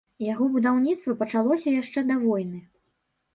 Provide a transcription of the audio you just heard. Яго будаўніцтва пачалося яшчэ да войны.